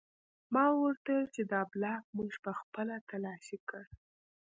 ما ورته وویل چې دا بلاک موږ پخپله تلاشي کړ